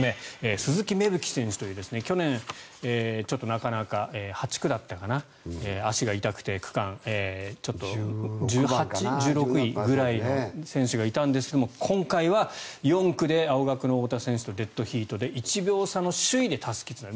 鈴木芽吹選手という去年、ちょっとなかなか８区だったかな足が痛くて区間１６位ぐらいの選手がいたんですが今回は４区で青学の太田選手とデッドヒートで１秒差の首位でたすきをつないだ。